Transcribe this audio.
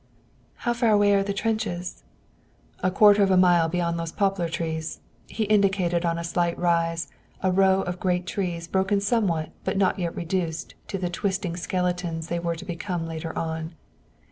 "How far away are the trenches?" "A quarter of a mile beyond those poplar trees." He indicated on a slight rise a row of great trees broken somewhat but not yet reduced to the twisted skeletons they were to become later on.